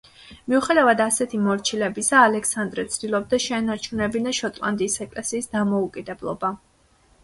მიუხედავად ასეთი მორჩილებისა, ალექსანდრე ცდილობდა შეენარჩუნებინა შოტლანდიის ეკლესიის დამოუკიდებლობა.